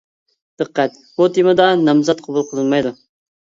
دىققەت: بۇ تېمىدا نامزات قوبۇل قىلىنمايدۇ.